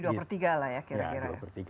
ya dua per tiga